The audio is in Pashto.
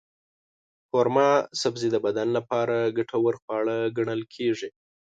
قورمه سبزي د بدن لپاره ګټور خواړه ګڼل کېږي.